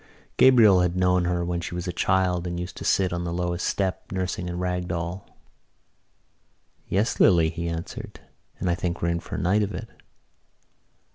Gabriel had known her when she was a child and used to sit on the lowest step nursing a rag doll. "Yes, Lily," he answered, "and I think we're in for a night of it."